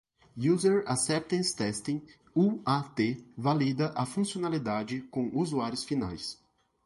User Acceptance Testing (UAT) valida a funcionalidade com usuários finais.